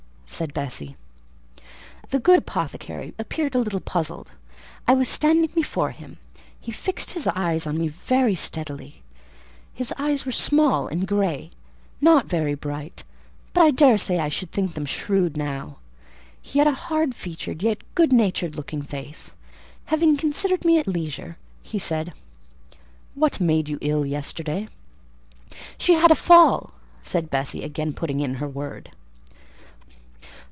said Bessie. The good apothecary appeared a little puzzled. I was standing before him; he fixed his eyes on me very steadily: his eyes were small and grey; not very bright, but I dare say I should think them shrewd now: he had a hard featured yet good natured looking face. Having considered me at leisure, he said— "What made you ill yesterday?" "She had a fall," said Bessie, again putting in her word.